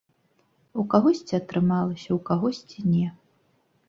У кагосьці атрымалася, у кагосьці не.